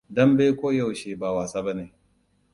Dambe koyaushe ba wasa bane.